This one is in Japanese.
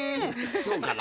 そうかな？